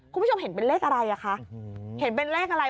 คุณผู้ชมเห็นเป็นเลขอะไรอ่ะคะเห็นเป็นเลขอะไร